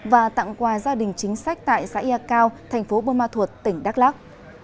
và tặng quà gia đình chính sách tại xã yau cao thành phố bơ ma thuột tỉnh đắk lắc